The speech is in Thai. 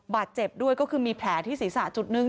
บาดเจ็บด้วยก็คือมีแผลที่ศีรษะจุดหนึ่ง